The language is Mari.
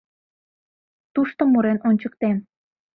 Тушто мурен ончыктем.